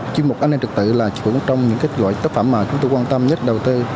chương mục an ninh trật tự là chỉ một trong những cái gọi tác phẩm mà chúng tôi quan tâm nhất đầu tư